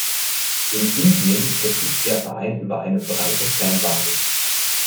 In Indien verfügt der Verein über eine breite Fanbasis.